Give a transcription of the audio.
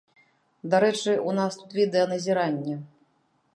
Дарэчы, у нас тут відэаназіранне!